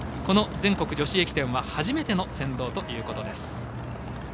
全国女子駅伝は初めての先導ということです。